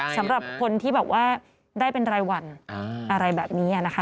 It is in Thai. สำหรับคนที่แบบว่าได้เป็นรายวันอะไรแบบนี้นะคะ